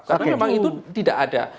karena memang itu tidak ada